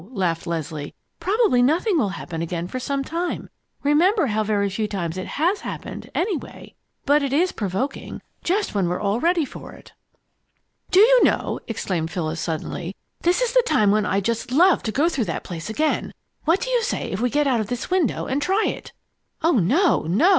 laughed Leslie. "Probably nothing will happen again for some time. Remember how very few times it has happened, anyway. But it is provoking just when we're all ready for it!" "Do you know," exclaimed Phyllis suddenly, "this is the time when I'd just love to go through that place again! What do you say if we get out of this window and try it?" "Oh, no, no!"